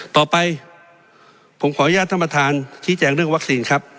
ต่อไปผมขออนุญาตท่านประธานชี้แจงเรื่องวัคซีนครับ